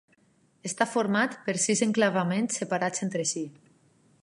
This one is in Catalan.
Està format per sis enclavaments separats entre si.